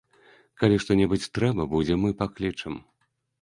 Калі што-небудзь трэба будзе, мы паклічам!